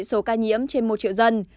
số ca nhiễm trên một triệu dân